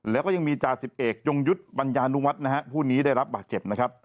และก็ยังมีจาสิบเอกยงยุทธ์บรรยานุวัตรผู้นี้ได้รับบาดเจ็บ